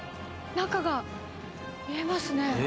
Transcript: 中が見えますね。